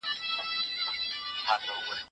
علمي لیکني ډېر دقت او ځیرتیا ته اړتیا لري.